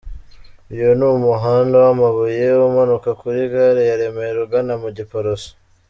Uyu ni umuhanda w'amabuye umanuka kuri Gare ya Remera ugana mu Giporoso.